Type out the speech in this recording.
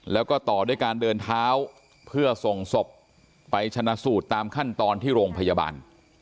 แล้วก็ต่อด้วยการเดินเท้าเพื่อส่งศพไปชนะสูตรตามขั้นตอนที่โรงพยาบาล